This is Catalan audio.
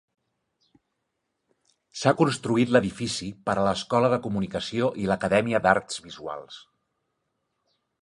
S"ha construït l"edifici per a l"Escola de comunicació i l"acadèmia d"arts visuals.